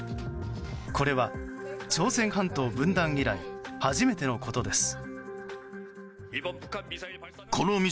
これは、朝鮮半島分断以来初めてのことです。